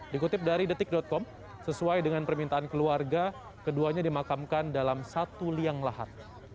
dikutip dari detik com sesuai dengan permintaan keluarga keduanya dimakamkan dalam satu liang lahat